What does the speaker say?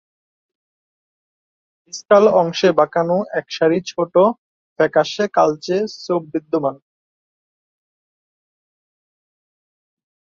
ডিসকাল অংশে বাঁকানো একসারি ছোট ফ্যাকাশে কালচে ছোপ বিদ্যমান।